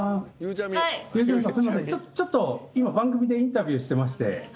ちょっと今番組でインタビューしてまして。